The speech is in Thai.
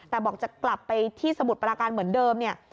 แต่บอกจะกลับไปที่สมุทรปราการเหมือนเดิมเนี่ย